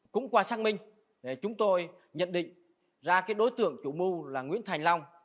cũng qua xác minh chúng tôi nhận định ra đối tượng chủ mưu là nguyễn thành long